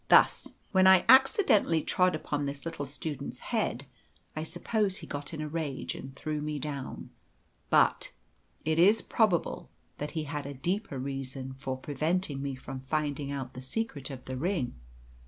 Thus, when I accidentally trod upon this little student's head, I suppose he got in a rage, and threw me down. But it is probable that he had a deeper reason for preventing me from finding out the secret of the ring.